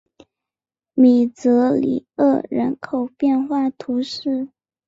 米泽里厄人口变化图示